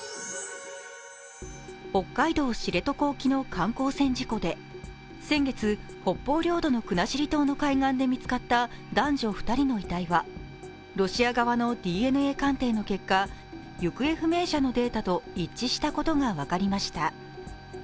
北海道・知床沖の観光船事故で先月、北方領土の国後島の海岸で見つかった男女２人の遺体はロシア側のＤＮＡ鑑定の結果、行方不明者と一致したことが分かりました。